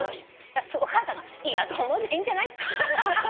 お母さんが「『いやどうも』でいいんじゃない？」